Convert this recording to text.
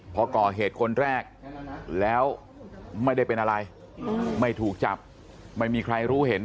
พอก่อเหตุคนแรกแล้วไม่ได้เป็นอะไรไม่ถูกจับไม่มีใครรู้เห็น